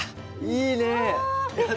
いいね！わ！